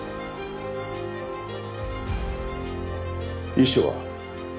遺書は？